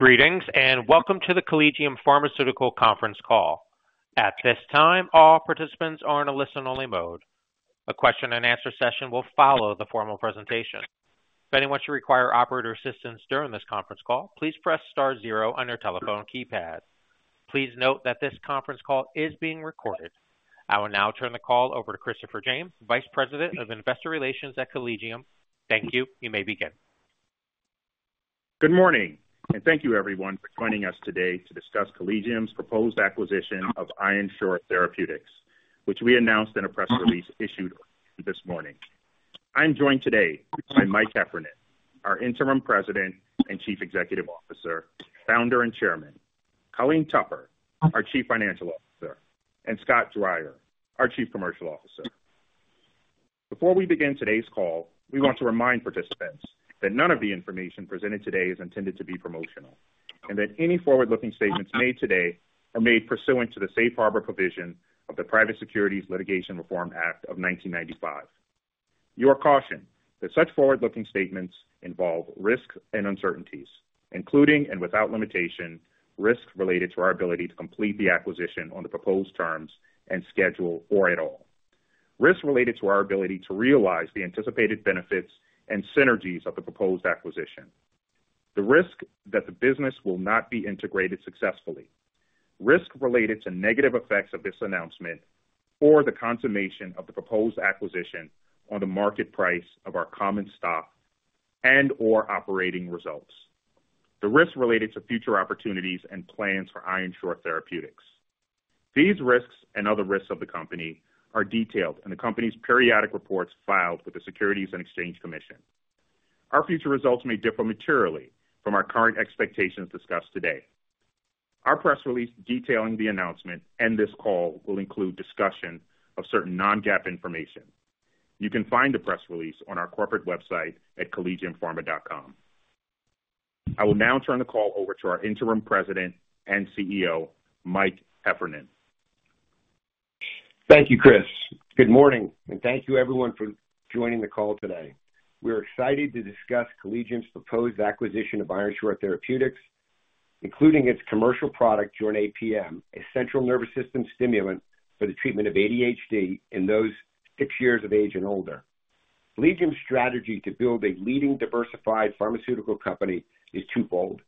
...Greetings, and welcome to the Collegium Pharmaceutical Conference Call. At this time, all participants are in a listen-only mode. A question-and-answer session will follow the formal presentation. If anyone should require operator assistance during this conference call, please press star zero on your telephone keypad. Please note that this conference call is being recorded. I will now turn the call over to Christopher James, Vice President of Investor Relations at Collegium. Thank you. You may begin. Good morning, and thank you, everyone, for joining us today to discuss Collegium's proposed acquisition of Ironshore Therapeutics, which we announced in a press release issued this morning. I'm joined today by Mike Heffernan, our Interim President and Chief Executive Officer, Founder, and Chairman, Colleen Tupper, our Chief Financial Officer, and Scott Dreyer, our Chief Commercial Officer. Before we begin today's call, we want to remind participants that none of the information presented today is intended to be promotional, and that any forward-looking statements made today are made pursuant to the Safe Harbor provision of the Private Securities Litigation Reform Act of 1995. You are cautioned that such forward-looking statements involve risks and uncertainties, including, and without limitation, risks related to our ability to complete the acquisition on the proposed terms and schedule or at all. Risks related to our ability to realize the anticipated benefits and synergies of the proposed acquisition. The risk that the business will not be integrated successfully. Risk related to negative effects of this announcement or the consummation of the proposed acquisition on the market price of our common stock and/or operating results. The risks related to future opportunities and plans for Ironshore Therapeutics. These risks and other risks of the company are detailed in the company's periodic reports filed with the Securities and Exchange Commission. Our future results may differ materially from our current expectations discussed today. Our press release detailing the announcement and this call will include discussion of certain non-GAAP information. You can find the press release on our corporate website at collegiumpharma.com. I will now turn the call over to our Interim President and CEO, Mike Heffernan. Thank you, Chris. Good morning, and thank you, everyone, for joining the call today. We are excited to discuss Collegium's proposed acquisition of Ironshore Therapeutics, including its commercial product, Jornay PM, a central nervous system stimulant for the treatment of ADHD in those six years of age and older. Collegium's strategy to build a leading diversified pharmaceutical company is twofold: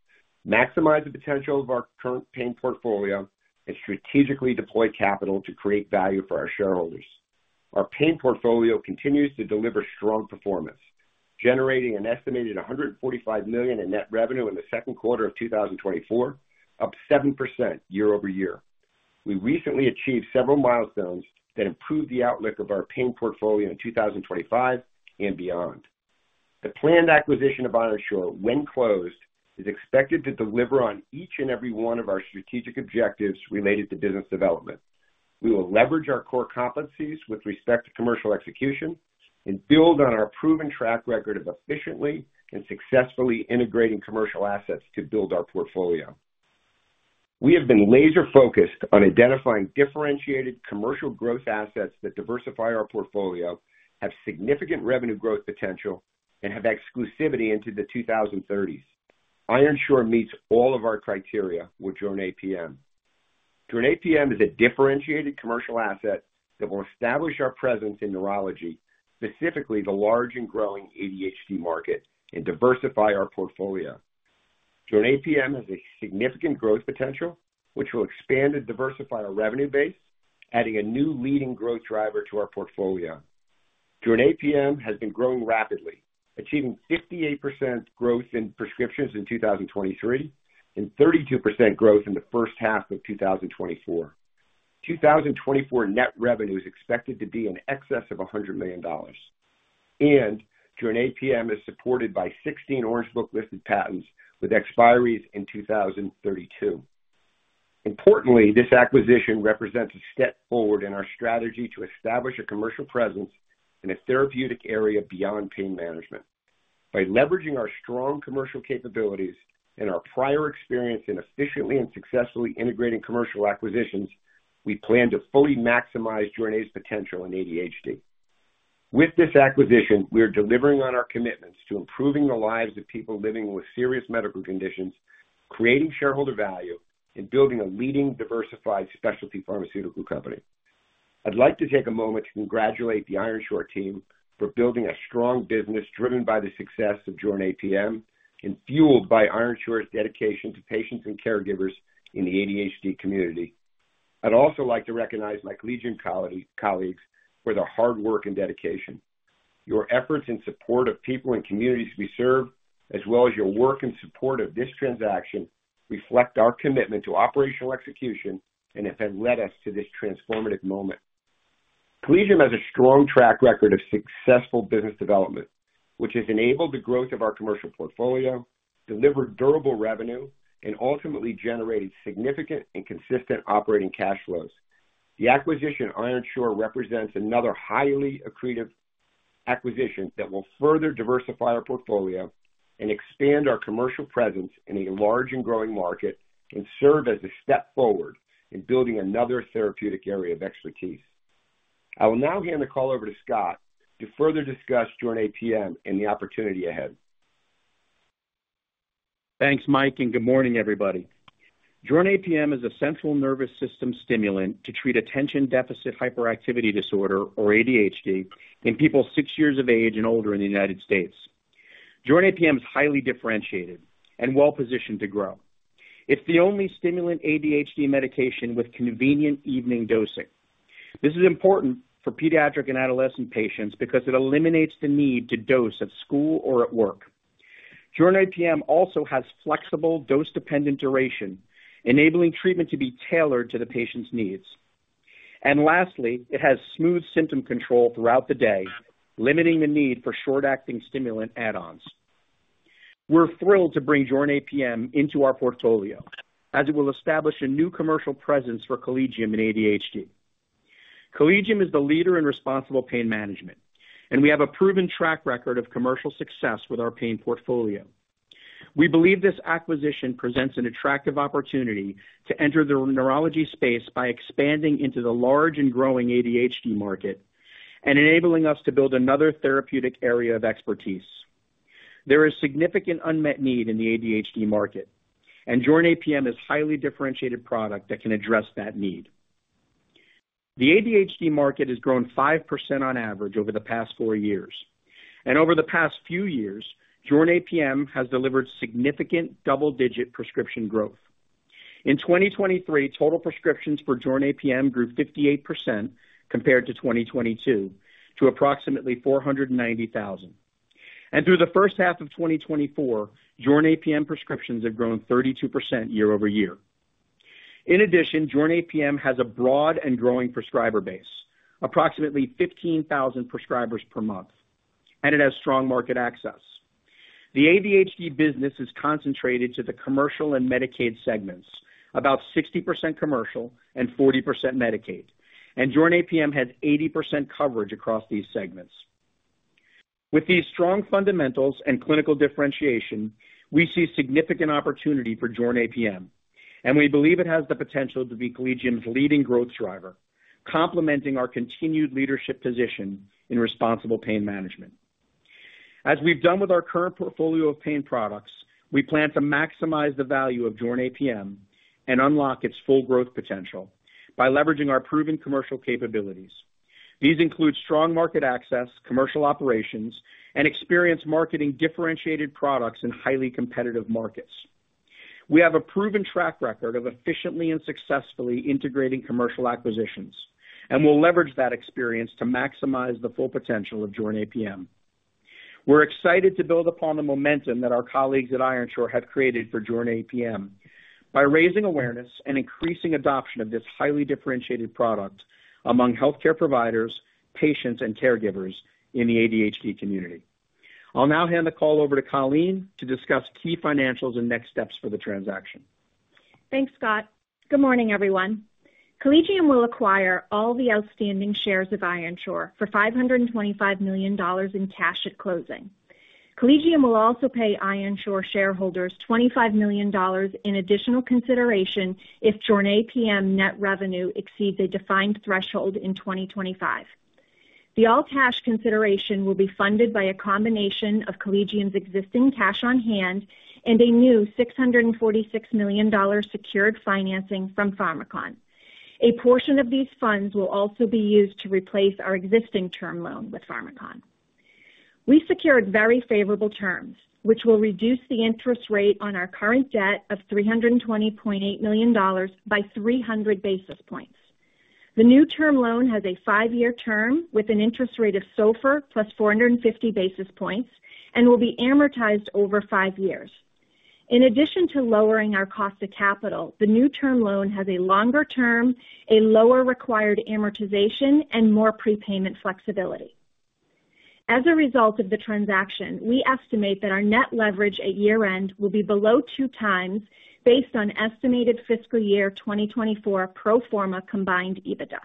maximize the potential of our current pain portfolio and strategically deploy capital to create value for our shareholders. Our pain portfolio continues to deliver strong performance, generating an estimated $145 million in net revenue in the second quarter of 2024, up 7% year-over-year. We recently achieved several milestones that improved the outlook of our pain portfolio in 2025 and beyond. The planned acquisition of Ironshore, when closed, is expected to deliver on each and every one of our strategic objectives related to business development. We will leverage our core competencies with respect to commercial execution and build on our proven track record of efficiently and successfully integrating commercial assets to build our portfolio. We have been laser-focused on identifying differentiated commercial growth assets that diversify our portfolio, have significant revenue growth potential, and have exclusivity into the 2030s. Ironshore meets all of our criteria with Jornay PM. Jornay PM is a differentiated commercial asset that will establish our presence in neurology, specifically the large and growing ADHD market, and diversify our portfolio. Jornay PM has a significant growth potential, which will expand and diversify our revenue base, adding a new leading growth driver to our portfolio. Jornay PM has been growing rapidly, achieving 58% growth in prescriptions in 2023 and 32% growth in the first half of 2024. 2024 net revenue is expected to be in excess of $100 million, and Jornay PM is supported by 16 Orange Book listed patents with expiries in 2032. Importantly, this acquisition represents a step forward in our strategy to establish a commercial presence in a therapeutic area beyond pain management. By leveraging our strong commercial capabilities and our prior experience in efficiently and successfully integrating commercial acquisitions, we plan to fully maximize Jornay's potential in ADHD. With this acquisition, we are delivering on our commitments to improving the lives of people living with serious medical conditions, creating shareholder value, and building a leading diversified specialty pharmaceutical company. I'd like to take a moment to congratulate the Ironshore team for building a strong business driven by the success of Jornay PM and fueled by Ironshore's dedication to patients and caregivers in the ADHD community. I'd also like to recognize my Collegium colleagues for their hard work and dedication. Your efforts in support of people and communities we serve, as well as your work in support of this transaction, reflect our commitment to operational execution and have led us to this transformative moment. Collegium has a strong track record of successful business development, which has enabled the growth of our commercial portfolio, delivered durable revenue, and ultimately generated significant and consistent operating cash flows. The acquisition of Ironshore represents another highly accretive acquisition that will further diversify our portfolio and expand our commercial presence in a large and growing market, and serve as a step forward in building another therapeutic area of expertise.... I will now hand the call over to Scott to further discuss Jornay PM and the opportunity ahead. Thanks, Mike, and good morning, everybody. Jornay PM is a central nervous system stimulant to treat attention deficit hyperactivity disorder, or ADHD, in people six years of age and older in the United States. Jornay PM is highly differentiated and well-positioned to grow. It's the only stimulant ADHD medication with convenient evening dosing. This is important for pediatric and adolescent patients because it eliminates the need to dose at school or at work. Jornay PM also has flexible dose-dependent duration, enabling treatment to be tailored to the patient's needs. And lastly, it has smooth symptom control throughout the day, limiting the need for short-acting stimulant add-ons. We're thrilled to bring Jornay PM into our portfolio, as it will establish a new commercial presence for Collegium in ADHD. Collegium is the leader in responsible pain management, and we have a proven track record of commercial success with our pain portfolio. We believe this acquisition presents an attractive opportunity to enter the neurology space by expanding into the large and growing ADHD market and enabling us to build another therapeutic area of expertise. There is significant unmet need in the ADHD market, and Jornay PM is a highly differentiated product that can address that need. The ADHD market has grown 5% on average over the past 4 years, and over the past few years, Jornay PM has delivered significant double-digit prescription growth. In 2023, total prescriptions for Jornay PM grew 58% compared to 2022, to approximately 490,000. Through the first half of 2024, Jornay PM prescriptions have grown 32% year over year. In addition, Jornay PM has a broad and growing prescriber base, approximately 15,000 prescribers per month, and it has strong market access. The ADHD business is concentrated to the commercial and Medicaid segments, about 60% commercial and 40% Medicaid, and Jornay PM has 80% coverage across these segments. With these strong fundamentals and clinical differentiation, we see significant opportunity for Jornay PM, and we believe it has the potential to be Collegium's leading growth driver, complementing our continued leadership position in responsible pain management. As we've done with our current portfolio of pain products, we plan to maximize the value of Jornay PM and unlock its full growth potential by leveraging our proven commercial capabilities. These include strong market access, commercial operations, and experienced marketing differentiated products in highly competitive markets. We have a proven track record of efficiently and successfully integrating commercial acquisitions, and we'll leverage that experience to maximize the full potential of Jornay PM. We're excited to build upon the momentum that our colleagues at Ironshore have created for Jornay PM by raising awareness and increasing adoption of this highly differentiated product among healthcare providers, patients, and caregivers in the ADHD community. I'll now hand the call over to Colleen to discuss key financials and next steps for the transaction. Thanks, Scott. Good morning, everyone. Collegium will acquire all the outstanding shares of Ironshore for $525 million in cash at closing. Collegium will also pay Ironshore shareholders $25 million in additional consideration if Jornay PM net revenue exceeds a defined threshold in 2025. The all-cash consideration will be funded by a combination of Collegium's existing cash on hand and a new $646 million secured financing from Pharmakon. A portion of these funds will also be used to replace our existing term loan with Pharmakon. We secured very favorable terms, which will reduce the interest rate on our current debt of $320.8 million by 300 basis points. The new term loan has a 5-year term with an interest rate of SOFR plus 450 basis points and will be amortized over 5 years. In addition to lowering our cost of capital, the new term loan has a longer term, a lower required amortization, and more prepayment flexibility. As a result of the transaction, we estimate that our net leverage at year-end will be below 2 times, based on estimated fiscal year 2024 pro forma combined EBITDA.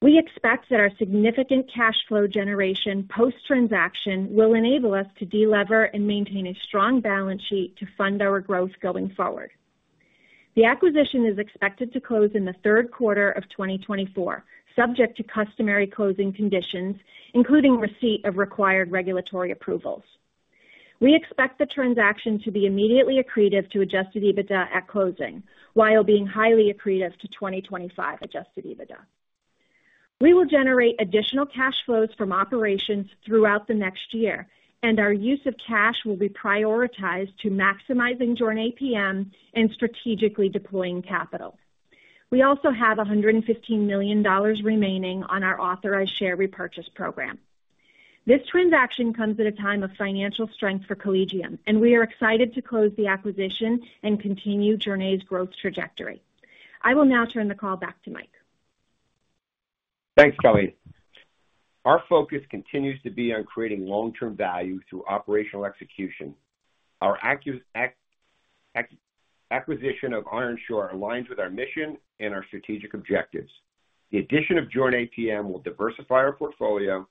We expect that our significant cash flow generation post-transaction will enable us to delever and maintain a strong balance sheet to fund our growth going forward. The acquisition is expected to close in the third quarter of 2024, subject to customary closing conditions, including receipt of required regulatory approvals. We expect the transaction to be immediately accretive to Adjusted EBITDA at closing, while being highly accretive to 2025 Adjusted EBITDA. We will generate additional cash flows from operations throughout the next year, and our use of cash will be prioritized to maximizing Jornay PM and strategically deploying capital. We also have $115 million remaining on our authorized share repurchase program. This transaction comes at a time of financial strength for Collegium, and we are excited to close the acquisition and continue Jornay's growth trajectory. I will now turn the call back to Mike. Thanks, Colleen. Our focus continues to be on creating long-term value through operational execution. Our acquisition of Ironshore aligns with our mission and our strategic objectives. The addition of Jornay PM will diversify our portfolio,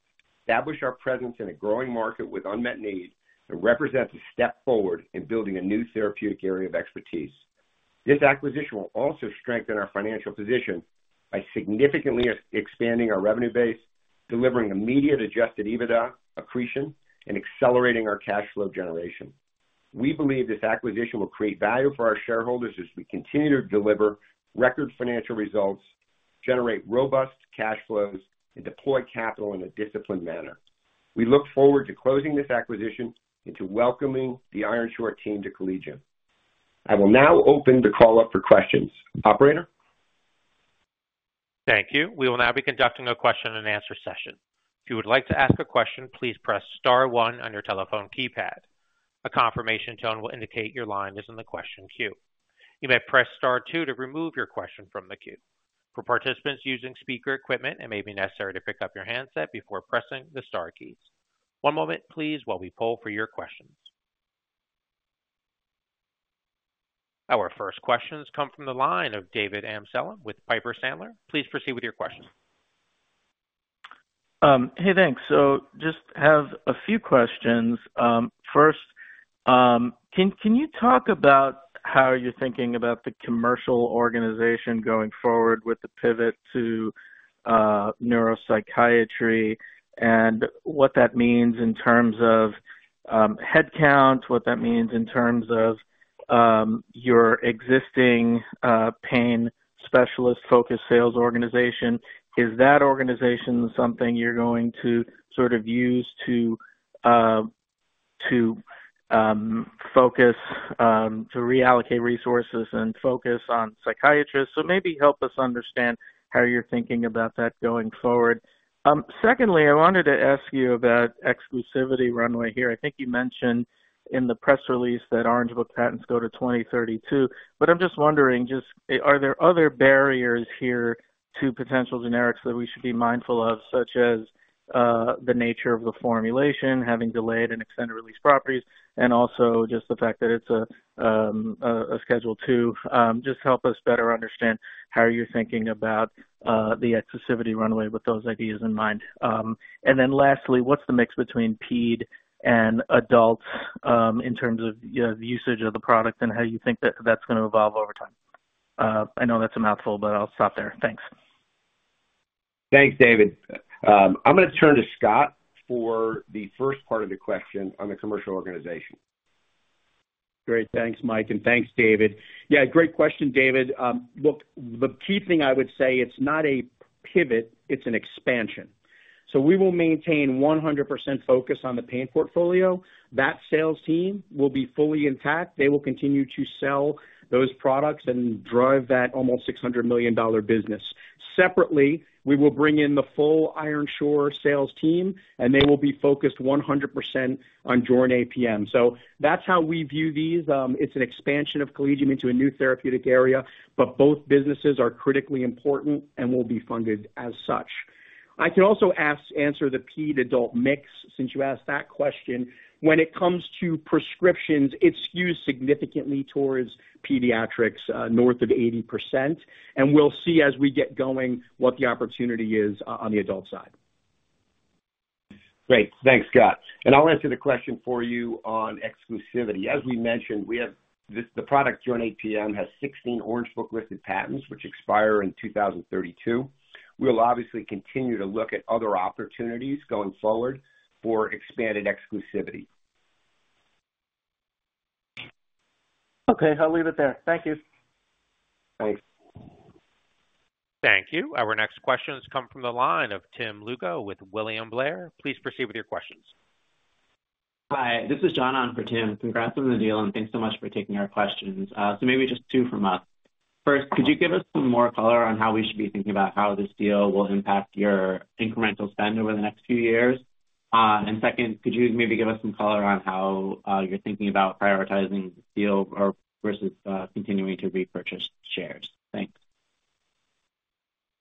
establish our presence in a growing market with unmet needs, and represents a step forward in building a new therapeutic area of expertise. This acquisition will also strengthen our financial position by significantly expanding our revenue base, delivering immediate adjusted EBITDA accretion, and accelerating our cash flow generation. We believe this acquisition will create value for our shareholders as we continue to deliver record financial results, generate robust cash flows, and deploy capital in a disciplined manner. We look forward to closing this acquisition and to welcoming the Ironshore team to Collegium. I will now open the call up for questions. Operator? Thank you. We will now be conducting a question-and-answer session. If you would like to ask a question, please press star one on your telephone keypad. A confirmation tone will indicate your line is in the question queue. You may press star two to remove your question from the queue. For participants using speaker equipment, it may be necessary to pick up your handset before pressing the star keys. One moment please, while we poll for your questions. Our first questions come from the line of David Amsellem with Piper Sandler. Please proceed with your question. Hey, thanks. So just have a few questions. First, can you talk about how you're thinking about the commercial organization going forward with the pivot to neuropsychiatry and what that means in terms of headcount, what that means in terms of your existing pain specialist-focused sales organization? Is that organization something you're going to sort of use to reallocate resources and focus on psychiatrists? So maybe help us understand how you're thinking about that going forward. Secondly, I wanted to ask you about exclusivity runway here. I think you mentioned in the press release that Orange Book patents go to 2032, but I'm just wondering, just are there other barriers here to potential generics that we should be mindful of, such as the nature of the formulation, having delayed and extended release properties, and also just the fact that it's a Schedule II? Just help us better understand how you're thinking about the exclusivity runway with those ideas in mind. And then lastly, what's the mix between ped and adult, in terms of, you know, the usage of the product and how you think that that's going to evolve over time? I know that's a mouthful, but I'll stop there. Thanks. Thanks, David. I'm going to turn to Scott for the first part of the question on the commercial organization. Great. Thanks, Mike, and thanks, David. Yeah, great question, David. Look, the key thing I would say, it's not a pivot, it's an expansion. So we will maintain 100% focus on the pain portfolio. That sales team will be fully intact. They will continue to sell those products and drive that almost $600 million business. Separately, we will bring in the full Ironshore sales team, and they will be focused 100% on Jornay PM. So that's how we view these. It's an expansion of Collegium into a new therapeutic area, but both businesses are critically important and will be funded as such. I can also answer the ped-adult mix, since you asked that question. When it comes to prescriptions, it skews significantly towards pediatrics, north of 80%, and we'll see as we get going what the opportunity is on the adult side. Great. Thanks, Scott. I'll answer the question for you on exclusivity. As we mentioned, we have this, the product, Jornay PM, has 16 Orange Book listed patents, which expire in 2032. We'll obviously continue to look at other opportunities going forward for expanded exclusivity. Okay, I'll leave it there. Thank you. Thanks. Thank you. Our next questions come from the line of Tim Lugo with William Blair. Please proceed with your questions. Hi, this is John on for Tim. Congrats on the deal, and thanks so much for taking our questions. So maybe just two from us. First, could you give us some more color on how we should be thinking about how this deal will impact your incremental spend over the next few years? And second, could you maybe give us some color on how you're thinking about prioritizing the deal or versus continuing to repurchase shares? Thanks.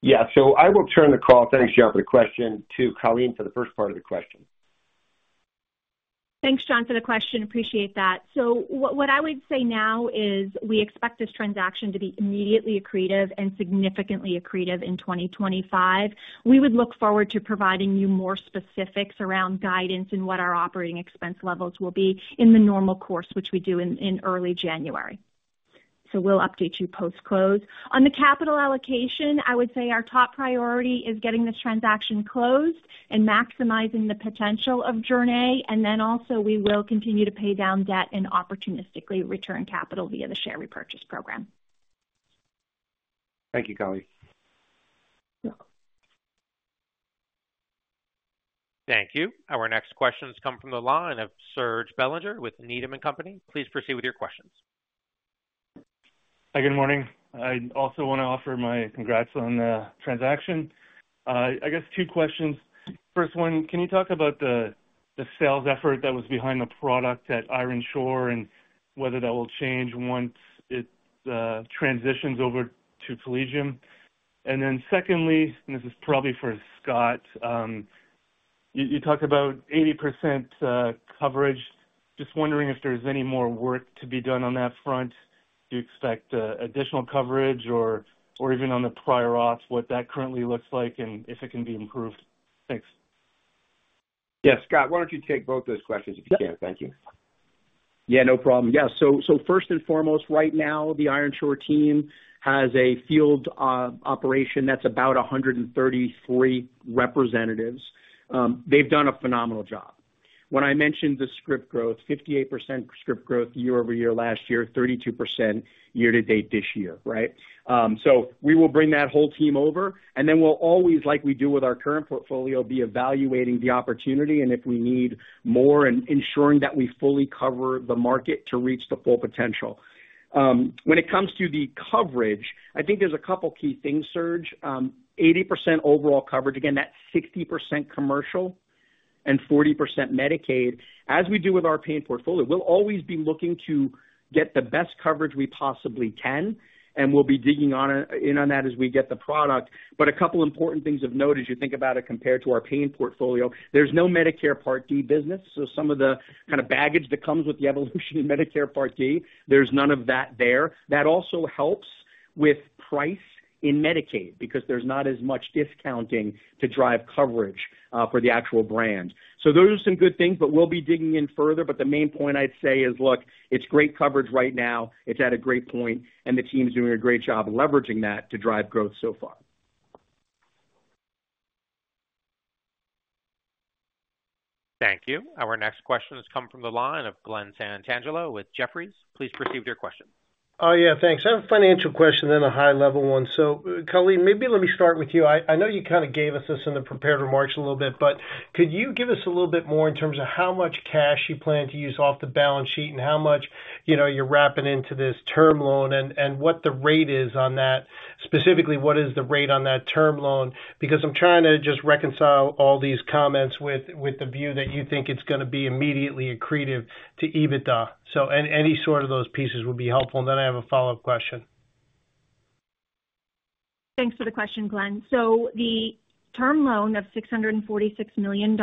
Yeah. So I will turn the call, thanks, John, for the question, to Colleen for the first part of the question. Thanks, John, for the question. Appreciate that. So what I would say now is we expect this transaction to be immediately accretive and significantly accretive in 2025. We would look forward to providing you more specifics around guidance and what our operating expense levels will be in the normal course, which we do in early January. So we'll update you post-close. On the capital allocation, I would say our top priority is getting this transaction closed and maximizing the potential of Jornay, and then also we will continue to pay down debt and opportunistically return capital via the share repurchase program. Thank you, Colleen. Yeah. Thank you. Our next questions come from the line of Serge Belanger with Needham and Company. Please proceed with your questions. Hi, good morning. I also want to offer my congrats on the transaction. I guess two questions. First one, can you talk about the sales effort that was behind the product at Ironshore and whether that will change once it transitions over to Collegium? And then secondly, and this is probably for Scott, you talked about 80% coverage. Just wondering if there's any more work to be done on that front. Do you expect additional coverage or even on the prior ops, what that currently looks like and if it can be improved? Thanks.... Yeah, Scott, why don't you take both those questions if you can? Thank you. Yeah, no problem. Yeah, so, so first and foremost, right now, the Ironshore team has a field operation that's about 133 representatives. They've done a phenomenal job. When I mentioned the script growth, 58% script growth year-over-year last year, 32% year-to-date this year, right? So we will bring that whole team over, and then we'll always, like we do with our current portfolio, be evaluating the opportunity and if we need more and ensuring that we fully cover the market to reach the full potential. When it comes to the coverage, I think there's a couple key things, Serge. 80% overall coverage, again, that's 60% commercial and 40% Medicaid. As we do with our pain portfolio, we'll always be looking to get the best coverage we possibly can, and we'll be digging in on that as we get the product. But a couple important things of note as you think about it, compared to our pain portfolio, there's no Medicare Part D business, so some of the kind of baggage that comes with the evolution of Medicare Part D, there's none of that there. That also helps with price in Medicaid because there's not as much discounting to drive coverage for the actual brand. So those are some good things, but we'll be digging in further. But the main point I'd say is, look, it's great coverage right now. It's at a great point, and the team's doing a great job leveraging that to drive growth so far. Thank you. Our next question has come from the line of Glen Santangelo with Jefferies. Please proceed with your question. Oh, yeah, thanks. I have a financial question, then a high-level one. So, Colleen, maybe let me start with you. I know you kind of gave us this in the prepared remarks a little bit, but could you give us a little bit more in terms of how much cash you plan to use off the balance sheet and how much, you know, you're wrapping into this term loan and what the rate is on that? Specifically, what is the rate on that term loan? Because I'm trying to just reconcile all these comments with the view that you think it's gonna be immediately accretive to EBITDA. So any sort of those pieces would be helpful, and then I have a follow-up question. Thanks for the question, Glen. So the term loan of $646 million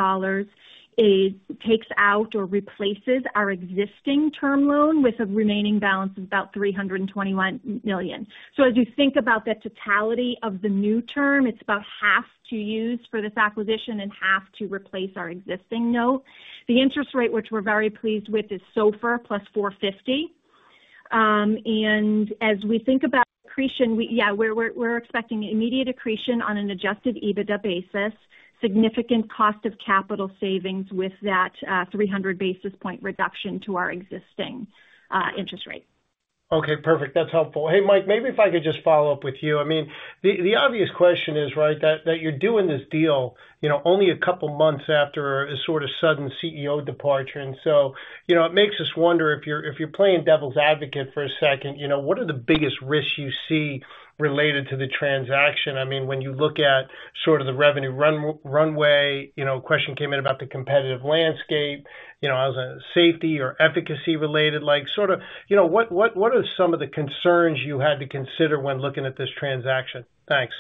is, takes out or replaces our existing term loan with a remaining balance of about $321 million. So as you think about the totality of the new term, it's about half to use for this acquisition and half to replace our existing note. The interest rate, which we're very pleased with, is SOFR plus 450. And as we think about accretion, we're expecting immediate accretion on an adjusted EBITDA basis, significant cost of capital savings with that 300 basis point reduction to our existing interest rate. Okay, perfect. That's helpful. Hey, Mike, maybe if I could just follow up with you. I mean, the obvious question is, right, that you're doing this deal, you know, only a couple months after a sort of sudden CEO departure. And so, you know, it makes us wonder if you're playing devil's advocate for a second, you know, what are the biggest risks you see related to the transaction? I mean, when you look at sort of the revenue runway, you know, question came in about the competitive landscape, you know, how does a safety or efficacy related, like sort of, you know, what are some of the concerns you had to consider when looking at this transaction? Thanks.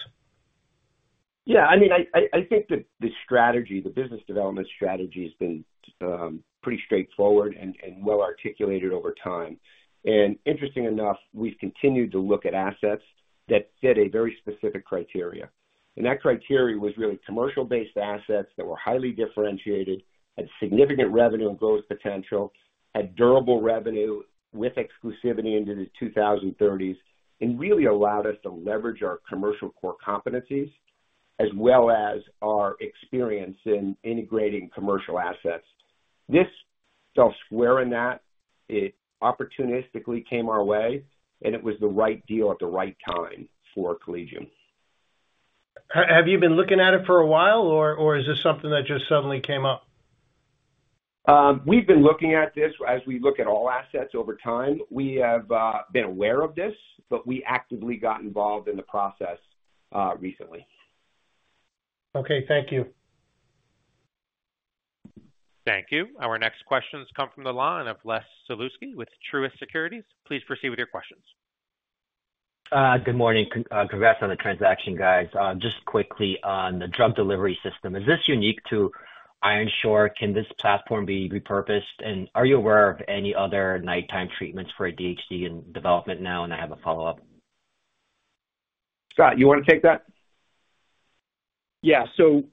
Yeah, I mean, I think that the strategy, the business development strategy has been pretty straightforward and well articulated over time. And interesting enough, we've continued to look at assets that fit a very specific criteria. And that criteria was really commercial-based assets that were highly differentiated, had significant revenue and growth potential, had durable revenue with exclusivity into the 2030s, and really allowed us to leverage our commercial core competencies as well as our experience in integrating commercial assets. This fits squarely in that, it opportunistically came our way, and it was the right deal at the right time for Collegium. Have you been looking at it for a while, or, or is this something that just suddenly came up? We've been looking at this as we look at all assets over time. We have been aware of this, but we actively got involved in the process recently. Okay, thank you. Thank you. Our next question has come from the line of Les Sulewski with Truist Securities. Please proceed with your questions. Good morning. Congrats on the transaction, guys. Just quickly on the drug delivery system, is this unique to Ironshore? Can this platform be repurposed? And are you aware of any other nighttime treatments for ADHD in development now? And I have a follow-up. Scott, you want to take that? Yeah. So,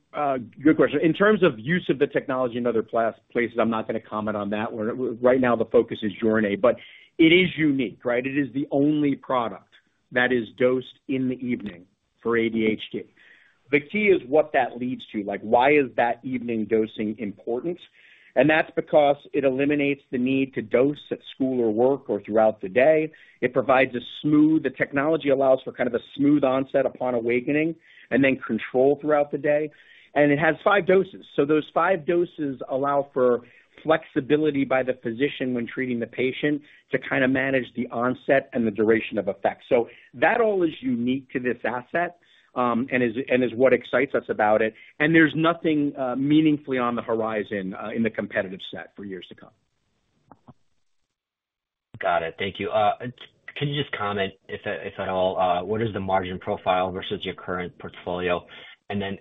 good question. In terms of use of the technology in other places, I'm not going to comment on that one. Right now, the focus is Jornay, but it is unique, right? It is the only product that is dosed in the evening for ADHD. The key is what that leads to, like, why is that evening dosing important? And that's because it eliminates the need to dose at school or work or throughout the day. It provides a smooth... The technology allows for kind of a smooth onset upon awakening and then control throughout the day. And it has five doses. So those five doses allow for flexibility by the physician when treating the patient to kind of manage the onset and the duration of effect. So that all is unique to this asset, and is what excites us about it. There's nothing, meaningfully on the horizon, in the competitive set for years to come. Got it. Thank you. Can you just comment, if at all, what is the margin profile versus your current portfolio? And then,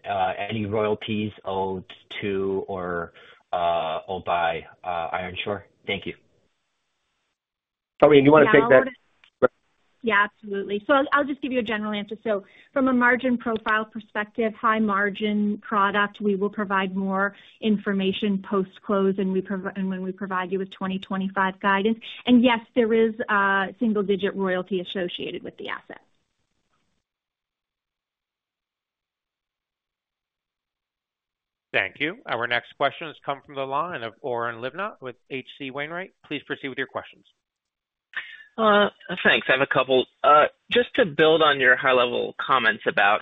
any royalties owed to or owed by Ironshore? Thank you.... Colleen, do you want to take that? Yeah, absolutely. So I'll just give you a general answer. So from a margin profile perspective, high-margin product, we will provide more information post-close, and when we provide you with 2025 guidance. And yes, there is single-digit royalty associated with the asset. Thank you. Our next question has come from the line of Oren Livnat with H.C. Wainwright. Please proceed with your questions. Thanks. I have a couple. Just to build on your high-level comments about,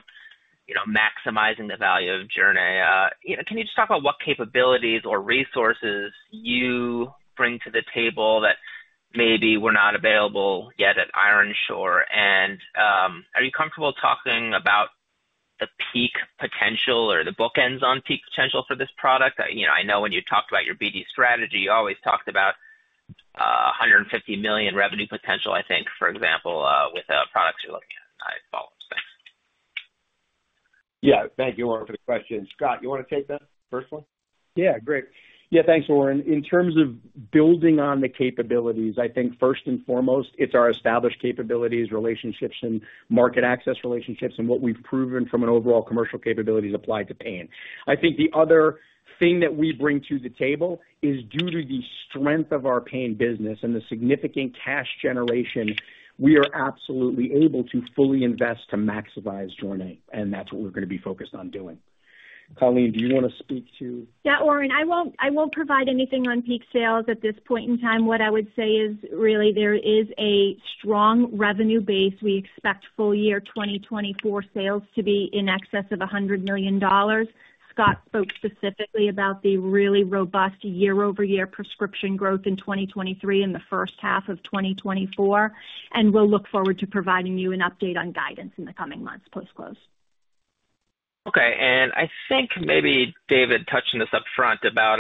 you know, maximizing the value of Jornay, you know, can you just talk about what capabilities or resources you bring to the table that maybe were not available yet at Ironshore? And, are you comfortable talking about the peak potential or the bookends on peak potential for this product? You know, I know when you talked about your BD strategy, you always talked about, a hundred and fifty million revenue potential, I think, for example, with the products you're looking at. I follow, so. Yeah. Thank you, Oren, for the question. Scott, you want to take that first one? Yeah, great. Yeah, thanks, Oren. In terms of building on the capabilities, I think first and foremost, it's our established capabilities, relationships, and market access relationships, and what we've proven from an overall commercial capabilities applied to pain. I think the other thing that we bring to the table is due to the strength of our pain business and the significant cash generation, we are absolutely able to fully invest to maximize Jornay, and that's what we're going to be focused on doing. Colleen, do you want to speak to- Yeah, Oren, I won't, I won't provide anything on peak sales at this point in time. What I would say is really there is a strong revenue base. We expect full year 2024 sales to be in excess of $100 million. Scott spoke specifically about the really robust year-over-year prescription growth in 2023 and the first half of 2024, and we'll look forward to providing you an update on guidance in the coming months, post-close. Okay. And I think maybe David touched on this upfront about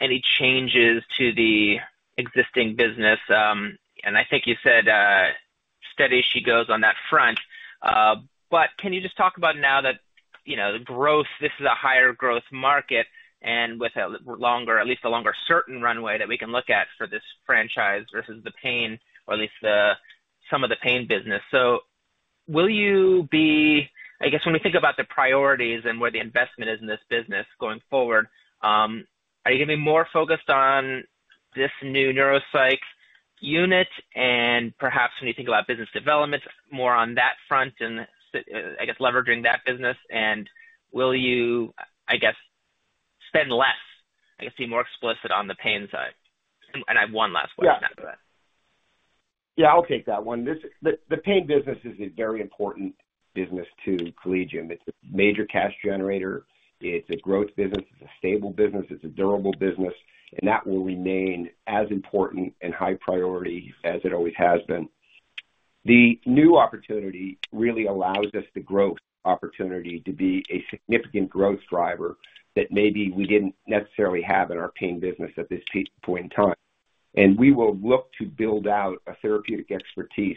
any changes to the existing business. I think you said steady as she goes on that front. But can you just talk about now that, you know, the growth, this is a higher growth market and with a longer, at least a longer certain runway that we can look at for this franchise versus the pain or at least the, some of the pain business. So will you be... I guess, when we think about the priorities and where the investment is in this business going forward, are you going to be more focused on this new neuropsych unit? And perhaps when you think about business development, more on that front and, I guess, leveraging that business, and will you, I guess, spend less, I guess, be more explicit on the pain side? And I have one last question after that. Yeah, I'll take that one. This, the pain business is a very important business to Collegium. It's a major cash generator, it's a growth business, it's a stable business, it's a durable business, and that will remain as important and high priority as it always has been. The new opportunity really allows us the growth opportunity to be a significant growth driver that maybe we didn't necessarily have in our pain business at this peak point in time. And we will look to build out a therapeutic expertise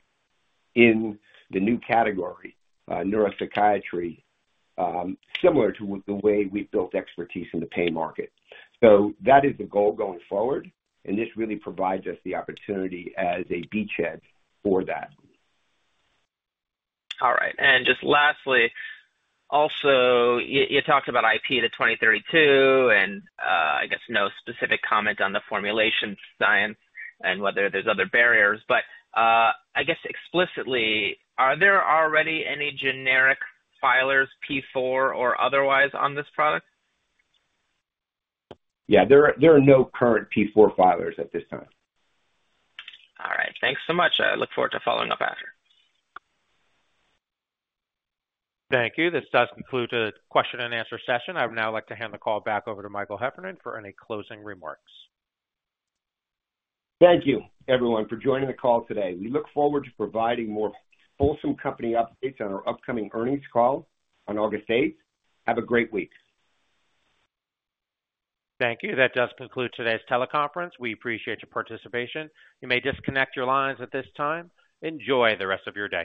in the new category, neuropsychiatry, similar to the way we've built expertise in the pain market. So that is the goal going forward, and this really provides us the opportunity as a beachhead for that. All right. And just lastly, also, you talked about IP to 2032 and, I guess, no specific comment on the formulation, science, and whether there's other barriers, but, I guess explicitly, are there already any generic filers, P4 or otherwise, on this product? Yeah, there are, there are no current P4 filers at this time. All right. Thanks so much. I look forward to following up after. Thank you. This does conclude the question and answer session. I would now like to hand the call back over to Michael Heffernan for any closing remarks. Thank you, everyone, for joining the call today. We look forward to providing more wholesome company updates on our upcoming earnings call on August eighth. Have a great week. Thank you. That does conclude today's teleconference. We appreciate your participation. You may disconnect your lines at this time. Enjoy the rest of your day.